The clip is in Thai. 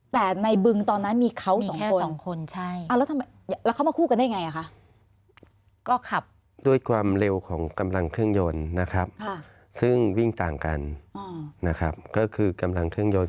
แต่ในบึงตอนนั้นมีเขา